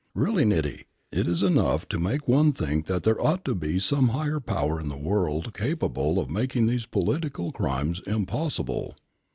Really, Niti, it is enough to make one think that there ought to be some higher power in the world capable of making these political crimes impossible.